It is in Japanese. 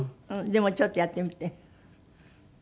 でもちょっとやってみて。